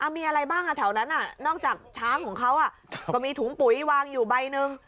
มีอะไรบ้างแถวนั้นนอกจากช้างของเขาก็มีถุงปุ๋ยวางอยู่ใบหนึ่ง